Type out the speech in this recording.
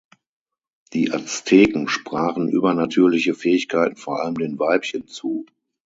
Die Azteken sprachen übernatürliche Fähigkeiten vor allem den Weibchen zu.